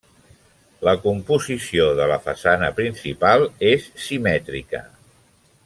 La composició de la façana principal és simètrica.